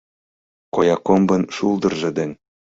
Коя комбын шулдыржо ден